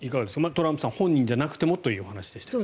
トランプさん本人じゃなくてもというお話ですが。